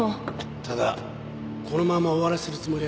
ただこのまま終わらせるつもりはない。